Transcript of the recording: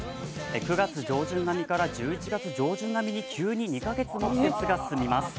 ９月上旬並みから１１月上旬並みに急に２か月も季節が進みます。